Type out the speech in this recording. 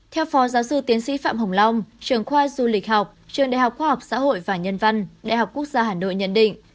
theo phó giáo sư tiến sĩ phạm hồng long trường khoa du lịch học trường đại học khoa học xã hội và nhân văn đại học quốc gia hà nội nhận định